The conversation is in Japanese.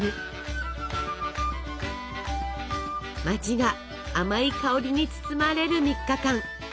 街が甘い香りに包まれる３日間。